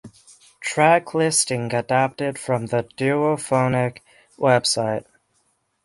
Track listing adapted from the Duophonic website.